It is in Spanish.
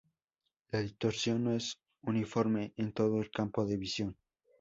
La distorsión no es uniforme en todo el campo de visión.